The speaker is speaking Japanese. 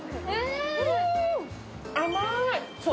甘い！